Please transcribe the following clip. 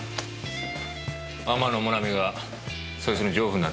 天野もなみがそいつの情婦になったっちゅうのか？